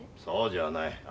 そうじゃない。